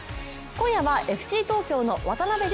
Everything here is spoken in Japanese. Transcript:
今夜はＦＣ東京の渡邊凌